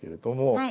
はい。